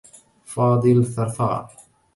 فاضل ثرثار.